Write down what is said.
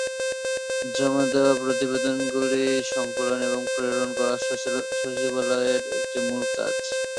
জমা দেওয়া প্রতিবেদনগুলি সংকলন এবং প্রেরণ করা সচিবালয়ের একটি মূল কাজ।